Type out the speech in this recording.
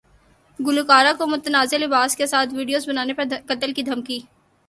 گلوکارہ کو متنازع لباس کے ساتھ ویڈیو بنانے پر قتل کی دھمکی